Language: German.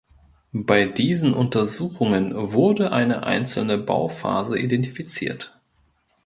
Bei diesen Untersuchungen wurde eine einzelne Bauphase identifiziert.